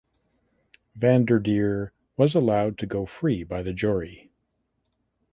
Van der Deer was allowed to go free by the jury.